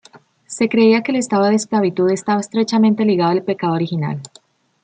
Se creía que el estado de esclavitud estaba estrechamente ligado al pecado original.